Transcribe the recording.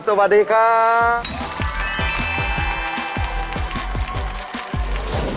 สวัสดีครับ